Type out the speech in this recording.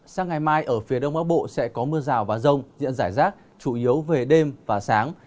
sang ngày mai ở phía đông bắc bộ sẽ có mưa rào và rông diện giải rác chủ yếu về đêm và sáng